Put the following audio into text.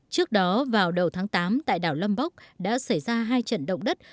trước đó vào đầu tháng tám tại đảo lombok đã xảy ra hai trận động đất